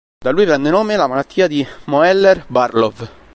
Da lui prende nome la malattia di Moeller-Barlow.